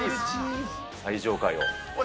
最上階を。